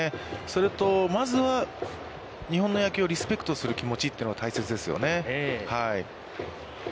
それと、まずは、日本の野球をリスペクトする気持ちは大切ですよね。